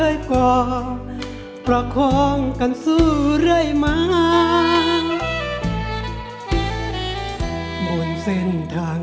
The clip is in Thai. อยากแทนพี่กลัวเติบแทน